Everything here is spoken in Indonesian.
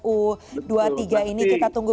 u dua puluh tiga ini kita tunggu